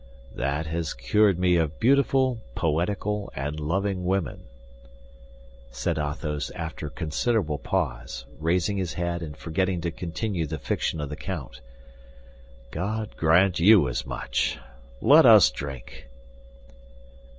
"That has cured me of beautiful, poetical, and loving women," said Athos, after a considerable pause, raising his head, and forgetting to continue the fiction of the count. "God grant you as much! Let us drink."